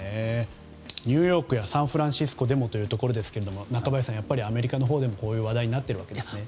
ニューヨークやサンフランシスコでもということですが中林さん、アメリカのほうでもこういう話題になっているわけですね。